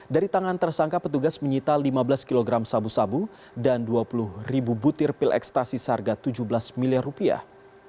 dari tangan tersangka petugas menyita lima belas kg sabu sabu dan dua puluh ribu butir pil ekstasi seharga tujuh belas miliar rupiah